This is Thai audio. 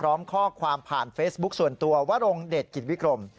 พร้อมข้อความผ่านเฟซบุ๊คส่วนตัววรงเดชกิจวิกรม